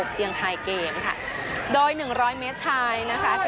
เจือนไทยเกมส์ค่ะโดย๑๐๐เมตรชัยนะคะ